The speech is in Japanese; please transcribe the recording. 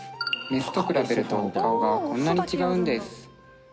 メスと比べると顔がこんなに違うんです